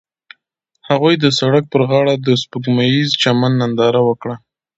هغوی د سړک پر غاړه د سپوږمیز چمن ننداره وکړه.